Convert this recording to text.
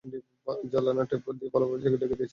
জালানাগুলো tape দিয়ে ভালোভাবে ঢেকে দিয়েছি।